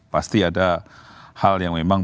pasti ada hal yang memang